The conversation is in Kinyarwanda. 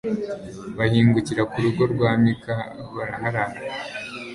bahingukira ku rugo rwa mika, baraharara